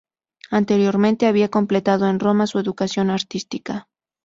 Anteriormente había completado en Roma su educación artística.